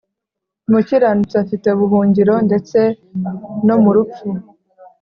umukiranutsi afite ubuhungiro ndetse no mu rupfu